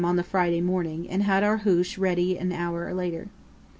on the Friday morning and had our hoosh ready an hour later.